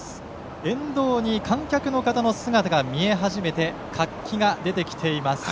沿道に観客の方の姿が見え始めて活気が出てきています。